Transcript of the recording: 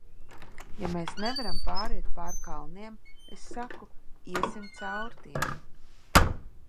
Ja mēs nevaram pāriet pār kalniem, es saku, iesim caur tiem!